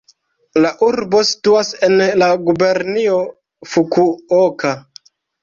La urbo situas en la gubernio Fukuoka.